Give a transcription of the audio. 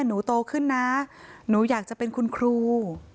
หนูโตขึ้นนะหนูอยากจะเป็นคุณครู